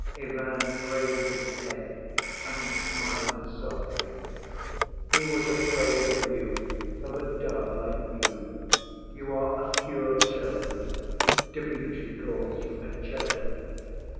Ivan raised his head and smiled softly. "He was afraid of you, of a dove like you. You are a 'pure cherub.' Dmitri calls you a cherub.